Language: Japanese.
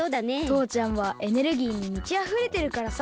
とうちゃんはエネルギーにみちあふれてるからさ。